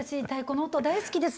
太鼓の音大好きです。